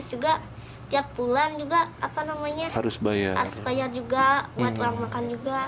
juga tiap bulan juga harus bayar juga buat yang makan juga